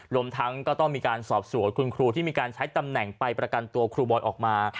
รวมทั้งก็ต้องมีการสอบสวนคุณครูที่มีการใช้ตำแหน่งไปประกันตัวครูบอยออกมา